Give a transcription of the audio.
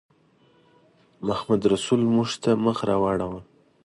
محمدرسول موږ ته مخ راواړاوه.